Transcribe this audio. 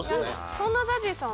そんなＺＡＺＹさん